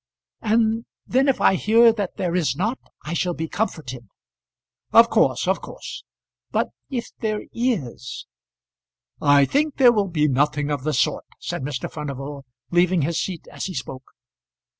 "And then if I hear that there is not, I shall be comforted." "Of course; of course." "But if there is " "I think there will be nothing of the sort," said Mr. Furnival, leaving his seat as he spoke.